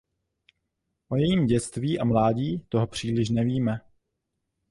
O jejím dětství a mládí toho příliš nevíme.